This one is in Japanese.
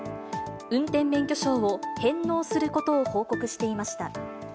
運転免許証を返納することを報告していました。